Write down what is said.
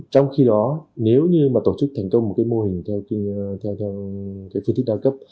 trong khi đó nếu như tổ chức thành công một mô hình theo phương thức đa cấp